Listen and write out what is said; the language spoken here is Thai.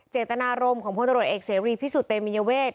เจตนารมณ์ของพลตรวจเอกเสรีพิสุทธิเตมียเวท